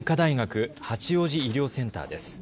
東京医科大学八王子医療センターです。